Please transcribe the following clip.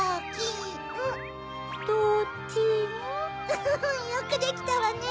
うん！よくできたわね！